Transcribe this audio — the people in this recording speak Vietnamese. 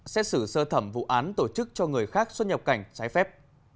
xét xử sơ thẩm vụ án tổ chức cho người khác xuất nhập cảnh trái phép